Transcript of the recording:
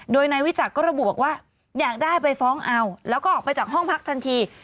โดยนายวิจักรก็ระบุบอกว่าอยากได้ไปฟ้องเอาแล้วก็ออกไปจากห้องพักทันที